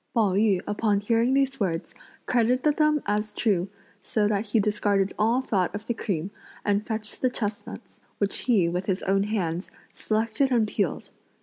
Pao yü upon hearing these words credited them as true, so that he discarded all thought of the cream and fetched the chestnuts, which he, with his own hands, selected and pealed.